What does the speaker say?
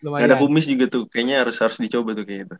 gak ada humis juga tuh kayaknya harus dicoba tuh kayaknya